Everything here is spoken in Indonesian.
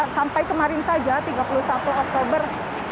sampai kemarin saja tiga puluh satu oktober dua ribu dua puluh